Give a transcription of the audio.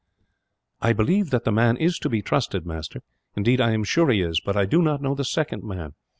"I believe that the man is to be trusted, master; indeed I am sure he is, but I do not know the second man.